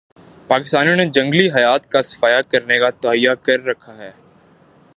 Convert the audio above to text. پاکستانیوں نے جنگلی حیات کا صفایا کرنے کا تہیہ کر رکھا ہے